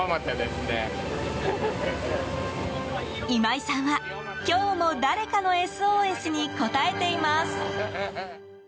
今井さんは、今日も誰かのＳＯＳに応えています。